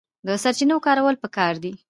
د سرچینو کارول پکار دي